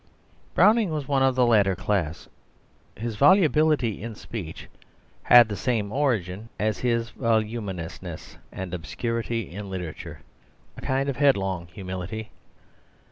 Browning was one of the latter class. His volubility in speech had the same origin as his voluminousness and obscurity in literature a kind of headlong humility.